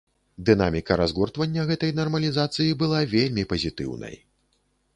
Дынаміка разгортвання гэтай нармалізацыі была вельмі пазітыўнай.